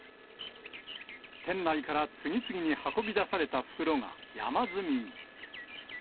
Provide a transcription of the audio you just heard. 店内から次々に運び出された袋が山積みに。